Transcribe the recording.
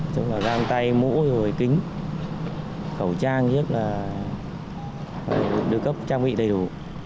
trong đó là răng tay mũ rồi kính khẩu trang nhất là được cấp trang bị đầy đủ